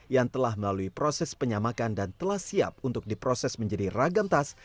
yang telah melalui proses penyamakan dan telah siap untuk diproses menjadi ragam tas